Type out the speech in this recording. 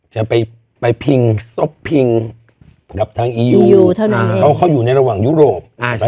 จะไปพิงซบพิงกับทางอียูเพราะเขาอยู่ในระหว่างยุโรป